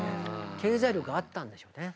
経済力あったんでしょうね。